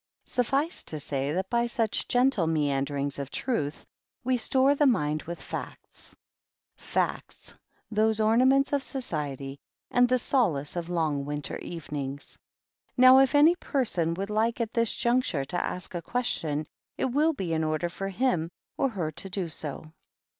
Suflfice to say that by such gentle mean derings of truth we store the mind with facts, — facts, those ornaments of society and the solace of long winter evenings. Now, if any person would like at this juncture to ask a question, it will be in order for him or her to do so."